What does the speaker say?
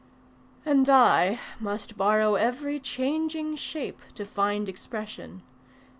And I must borrow every changing shape To find expression...